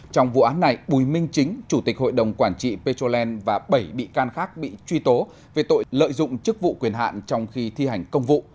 trong vụ án này bùi minh chính chủ tịch hội đồng quản trị petrolen và bảy bị can khác bị truy tố về tội lợi dụng chức vụ quyền hạn trong khi thi hành công vụ